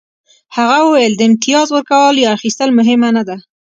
هغه وویل د امتیاز ورکول یا اخیستل مهمه نه ده